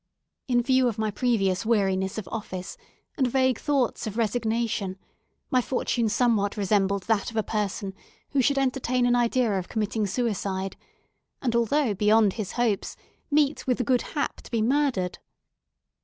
In view of my previous weariness of office, and vague thoughts of resignation, my fortune somewhat resembled that of a person who should entertain an idea of committing suicide, and although beyond his hopes, meet with the good hap to be murdered.